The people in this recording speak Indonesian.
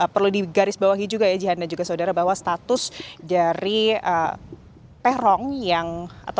perlu digarisbawahi juga ya jihan dan juga saudara bahwa status dari peron yang